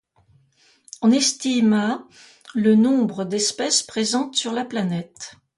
On estime à le nombre d'espèces présentes sur la planète.